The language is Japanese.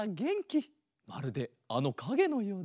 まるであのかげのようだ。